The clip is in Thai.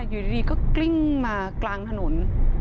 อยู่ดีก็กลิ้งมากลางถนน